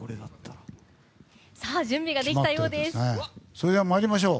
それでは参りましょう。